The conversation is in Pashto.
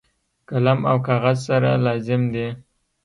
قلم او کاغذ سره لازم دي.